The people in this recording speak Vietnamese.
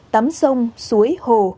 tắm sông suối hồ